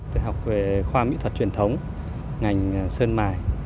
tự học về khoa mỹ thuật truyền thống ngành sơn mài